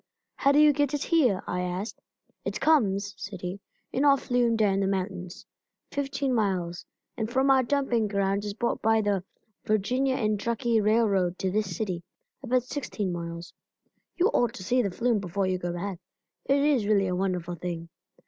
"How do you get it here?" I asked. "It comes," said he, "in our flume down the mountains, fifteen miles, and from our dumping grounds is brought by the Virginia & Truckee Railroad to this city, about sixteen miles. You ought to see the flume before you go back; it is really a wonderful thing."